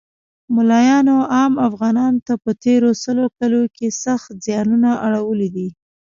مولایانو عام افغانانو ته په تیرو سلو کلو کښی سخت ځیانونه اړولی دی